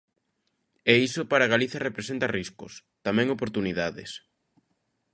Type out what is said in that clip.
E iso para Galiza representa riscos, tamén oportunidades.